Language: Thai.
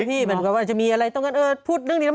ต้องมีแต่คนในโซเชียลว่าถ้ามีข่าวแบบนี้บ่อยทำไมถึงเชื่อขนาดใด